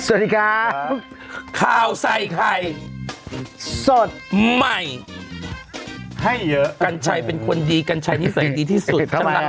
สวัสดีค่ะครับขาวใส่ใครสดใหม่ให้เยอะกัญชัยเป็นคนดีกัญชัยภาพด้วยที่ที่สุด